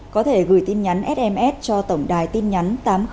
có thể gửi tin nhắn sms cho tổng đài tin nhắn tám nghìn sáu mươi sáu